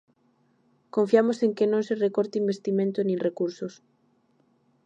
Confiamos en que non se recorte investimento nin recursos.